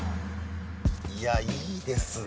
いやいいですね